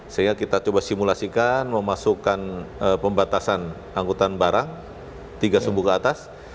sehingga kita coba simulasikan memasukkan pembatasan angkutan barang tiga sumbu ke atas